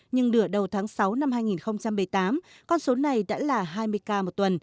nhưng nửa đầu tháng sáu năm hai nghìn một mươi tám con số này đã là hai mươi ca một tuần